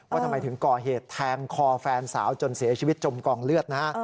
ว่าทำไมถึงก่อเหตุแทงคอแฟนสาวจนเสียชีวิตจมกองเลือดนะฮะ